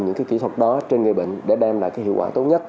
những kỹ thuật đó trên người bệnh để đem lại hiệu quả tốt nhất